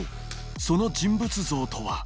その人物像とは？